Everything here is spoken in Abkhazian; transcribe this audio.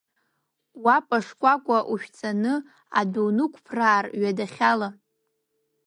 Уапа шкәакәак ушәҵаны, адәы унықәԥраар ҩадахьала.